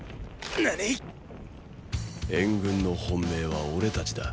何ィ⁉援軍の本命は俺たちだ。